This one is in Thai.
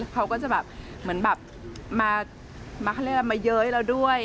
เขาก็จะแบบเหมือนแบบมาเขาเรียกอะไรมาเย้ยเราด้วย